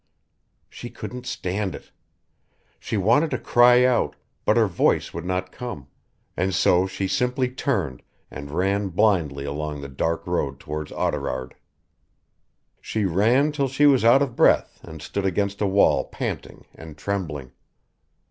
She couldn't stand it. She wanted to cry out, but her voice would not come, and so she simply turned and ran blindly along the dark road towards Oughterard. She ran till she was out of breath and stood against a wall panting and trembling.